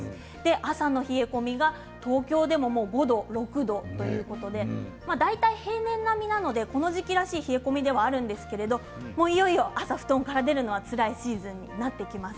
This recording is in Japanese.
朝の冷え込みが東京でも５度６度ということで大体、平年並みなのでこの時期らしい冷え込みではあるんですけれどもういよいよ朝布団から出るのはつらいシーズンになってきます。